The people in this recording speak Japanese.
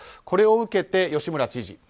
これを受けて、吉村知事。